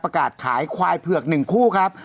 ประกาศขายควายเผือก๑คู่ครับ